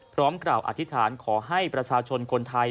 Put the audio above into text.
พร้อมกล่าวอธิษฐานขอให้ประชาชนคนไทย